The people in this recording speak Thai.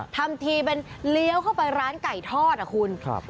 ทำทีเป็นเลี้ยวเข้าไปร้านไก่ทอดอ่ะคุณครับ